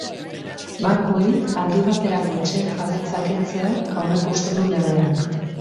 Bankuei aldi baterako etxeen jabetza kentzea aurreikusten du legeak.